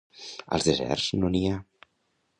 Als deserts no n'hi ha.